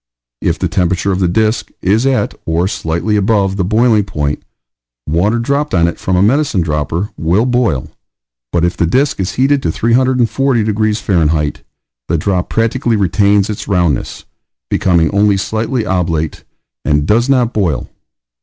If the temperature of the disk is at, or slightly above, the boiling point, water dropped on it from a medicine dropper will boil; but if the disk is heated to 340 degrees F., the drop practically retains its roundness becoming only slightly oblate and does not boil.